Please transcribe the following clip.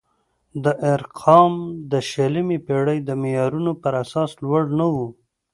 دا ارقام د شلمې پېړۍ د معیارونو پر اساس لوړ نه وو.